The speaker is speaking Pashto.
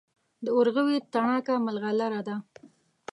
د ورغوي تڼاکه ملغلره ده.